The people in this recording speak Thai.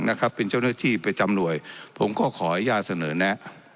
นะครับเป็นเจ้าหน้าที่ประจำหน่วยผมก็ขออนุญาตเสนอแนะ